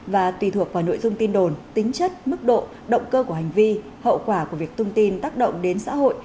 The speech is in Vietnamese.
và tùy thuộc vào nội dung tin đồn tính chất mức độ động cơ của hành vi hậu quả của việc tung tin tác động đến xã hội